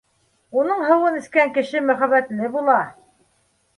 Уның һыуын эскән кеше мөхәббәтле була